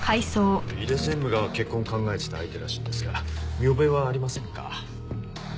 井出専務が結婚を考えてた相手らしいんですが見覚えはありませんか？